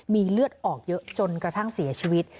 มีเลือดออกเยอะจนกระทั่งเสียชีวิต